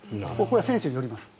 選手によります。